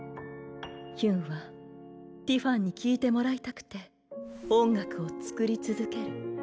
ヒュンはティファンに聴いてもらいたくて音楽を作り続ける。